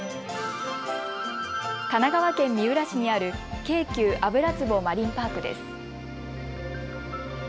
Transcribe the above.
神奈川県三浦市にある京急油壷マリンパークです。